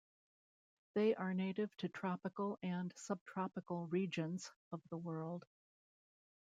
They are native to tropical and subtropical regions of the world.